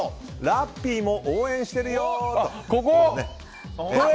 ラッピーも応援してるよーと。